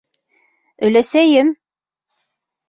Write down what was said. ӨЛӘСӘЙЕМ